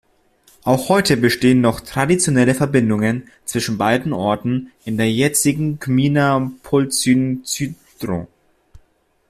Auch heute bestehen noch traditionelle Verbindungen zwischen beiden Orten in der jetzigen Gmina Połczyn-Zdrój.